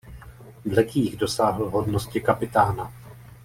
V legiích dosáhl hodnosti kapitána.